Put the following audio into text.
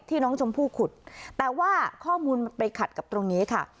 ที่น้องชมพู่ขุดแต่ว่าข้อมูลมันไปขัดกับตรงนี้ค่ะ